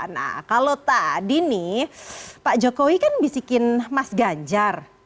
nah kalau tadi nih pak jokowi kan bisikin mas ganjar